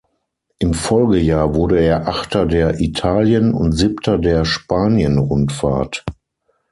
Im Folgejahr wurde er Achter der Italien- und Siebter der Spanienrundfahrt.